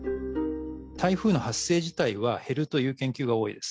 台風の発生自体は減るという研究が多いです。